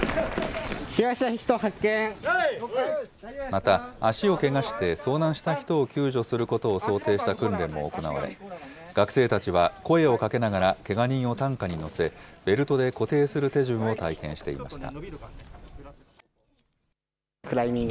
また、足をけがして遭難した人を救助することを想定した訓練も行われ、学生たちは声をかけながら、けが人を担架に乗せ、ベルトで固定する手順を体験していました。